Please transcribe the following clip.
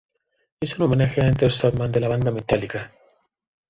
Es un homenaje a "Enter Sandman" de la banda Metallica.